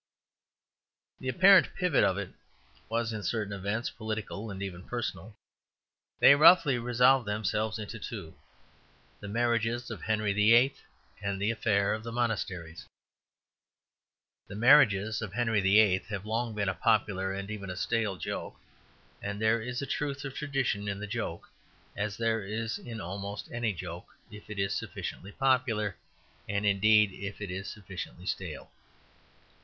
The apparent pivot of it was in certain events, political and even personal. They roughly resolve themselves into two: the marriages of Henry VIII. and the affair of the monasteries. The marriages of Henry VIII. have long been a popular and even a stale joke; and there is a truth of tradition in the joke, as there is in almost any joke if it is sufficiently popular, and indeed if it is sufficiently stale.